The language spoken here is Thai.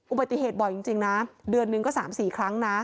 อุบัติเหตุบ่อยจริงนะเดือนหนึ่งก็๓๔ครั้งนะ